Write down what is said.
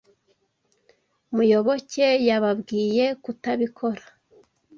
Muyoboke yababwiye kutabikora.